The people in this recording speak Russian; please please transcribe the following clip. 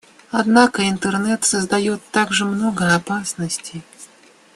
Однако Интернет создает также много опасностей.